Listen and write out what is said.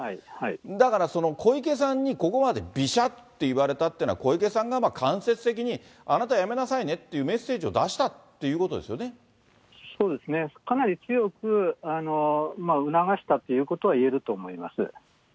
だから小池さんにここまでびしゃっと言われたというのは、小池さんが間接的にあなた辞めなさいねっていうメッセージを出しそうですね、かなり強く促したということはいえると思います。